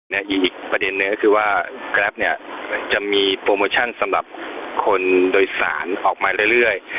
และอีกประเด็นนึงก็คือว่าแกรปเนี่ยจะมีโปรโมชั่นสำหรับคนโดยสารออกมาเรื่อย